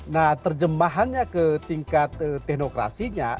nah terjemahannya ke tingkat teknokrasinya